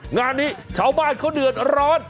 งานนี้ชาวบ้านเขาเดือดร้อน